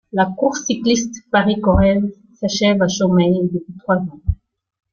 La course cycliste Paris-Corrèze s'achève à Chaumeil depuis trois ans.